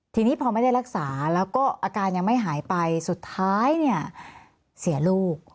ทีนี้พอไม่ได้รักษาแล้วก็อาการยังไม่หายไปสุดท้ายเนี่ยเสียลูก